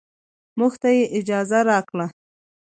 موږ ته يې اجازه راکړه.